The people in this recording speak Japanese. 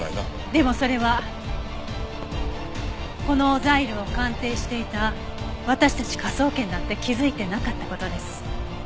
でもそれはこのザイルを鑑定していた私たち科捜研だって気づいてなかった事です。